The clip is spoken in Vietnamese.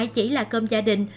chỉ là cơm gia đình